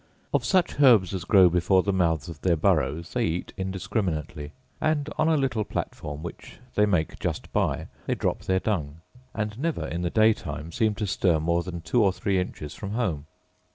Of such herbs as grow before the mouths of their burrows they eat indiscriminately; and on a little platform, which they make just by, they drop their dung; and never, in the day time, seem to stir more than two or three inches from home.